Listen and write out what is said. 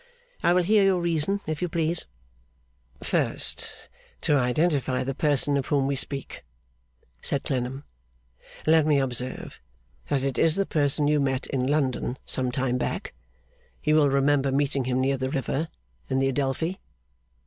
I will hear your reason, if you please.' 'First, to identify the person of whom we speak,' said Clennam, 'let me observe that it is the person you met in London some time back. You will remember meeting him near the river in the Adelphi!